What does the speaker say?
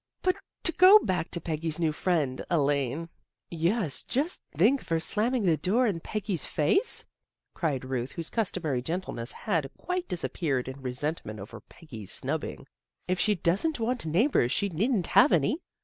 " But to go back to Peggy's new friend Elaine "" Yes, just to think of her slamming the door in Peggy's face," cried Ruth, whose customary gentleness had quite disappeared in resent ment over Peggy's snubbing. " If she doesn't want neighbors she needn't have any.